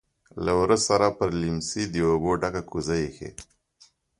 لهٔ ورهٔ سره پر لیمڅي د اوبو ډکه کوزه ایښې.